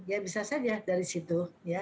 ya bisa saja dari situ ya